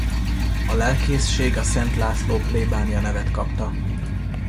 A lelkészség a Szent László plébánia nevet kapta.